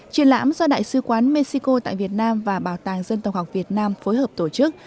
triển lãm do đại sứ quán mexico tại việt nam và bảo tàng dân tộc học việt nam phối hợp tổ chức